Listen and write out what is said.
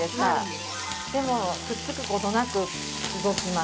でもくっつく事なく動きます。